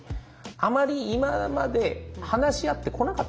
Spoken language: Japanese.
あまり今まで話し合ってこなかったんですって。